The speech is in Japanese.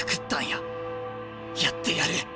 やってやる！